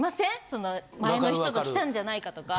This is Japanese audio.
その前の人と来たんじゃないかとか。